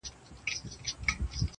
زه خو پاچا نه؛ خپلو خلگو پر سر ووهلم,